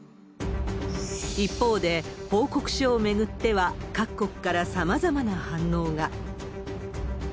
一方で、報告書を巡っては、各国からさまざまな反応が。